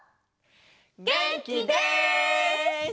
げんきです！